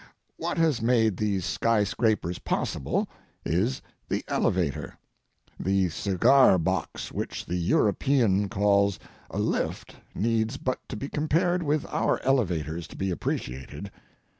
What has made these sky scrapers possible is the elevator. The cigar box which the European calls a "lift" needs but to be compared with our elevators to be appreciated.